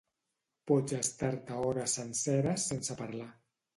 Pots estar-te hores senceres sense parlar.